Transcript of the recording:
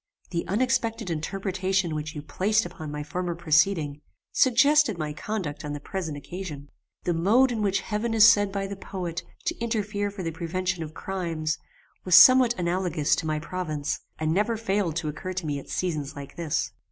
The unexpected interpretation which you placed upon my former proceeding, suggested my conduct on the present occasion. The mode in which heaven is said by the poet, to interfere for the prevention of crimes, [] was somewhat analogous to my province, and never failed to occur to me at seasons like this.